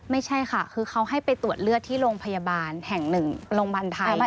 ไม่ใช่ค่ะคือเขาให้ไปตรวจเลือดที่โรงพยาบาลแห่งหนึ่งโรงพยาบาลไทย